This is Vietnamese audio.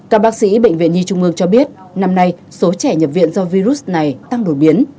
các bác sĩ bệnh viện nhi trung ương cho biết năm nay số trẻ nhập viện do virus này tăng đột biến